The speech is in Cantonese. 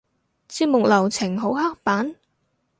節目流程好刻板？